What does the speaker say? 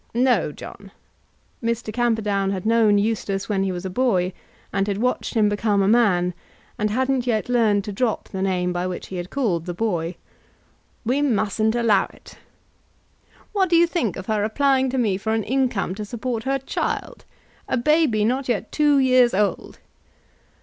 No, John; " Mr. Camperdown had known Eustace when he was a boy, and had watched him become a man, and hadn't yet learned to drop the name by which he had called the boy, "we mustn't allow it. What do you think of her applying to me for an income to support her child, a baby not yet two years old?"